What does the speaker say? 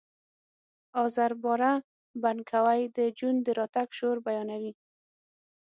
آزر باره بنکوی د جون د راتګ شور بیانوي